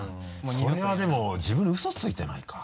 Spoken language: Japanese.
それはでも自分にウソついてないか？